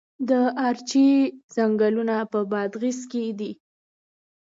د ارچې ځنګلونه په بادغیس کې دي؟